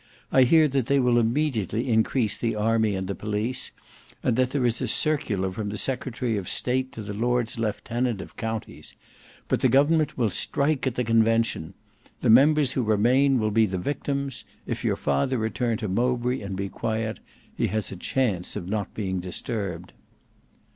I hear that they will immediately increase the army and the police; and that there is a circular from the Secretary of State to the Lords Lieutenant of counties. But the government will strike at the Convention. The members who remain will be the victims. If your father return to Mowbray and be quiet, he has a chance of not being disturbed."